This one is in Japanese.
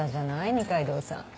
二階堂さん。